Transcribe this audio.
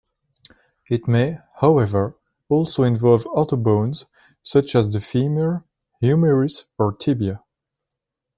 It may, however, also involve other bones such as the femur, humerus, or tibia.